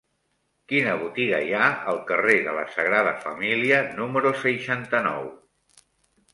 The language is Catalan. Quina botiga hi ha al carrer de la Sagrada Família número seixanta-nou?